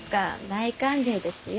大歓迎ですよ。